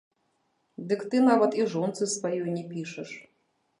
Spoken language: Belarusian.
Дык ты нават і жонцы сваёй не пішаш.